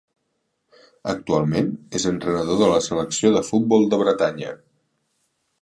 Actualment és entrenador de la selecció de futbol de Bretanya.